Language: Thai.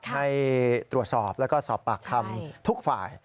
ให้ตรวจสอบแล้วก็สอบปากคำทุกฝ่าย